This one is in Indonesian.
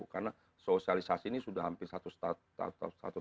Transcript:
karena sosialisasi ini sudah hampir satu status